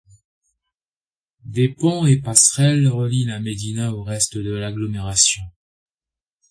Des ponts et passerelles relient la médina au reste de l’agglomération.